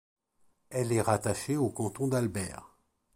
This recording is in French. Elle est rattachée au canton d'Albert.